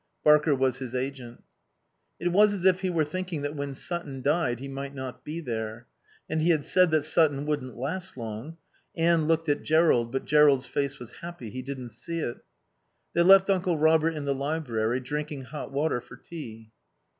Barker was his agent. It was as if he were thinking that when Sutton died he might not be there. And he had said that Sutton wouldn't last long. Anne looked at Jerrold. But Jerrold's face was happy. He didn't see it. They left Uncle Robert in the library, drinking hot water for tea.